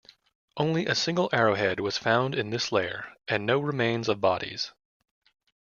Only a single arrowhead was found in this layer, and no remains of bodies.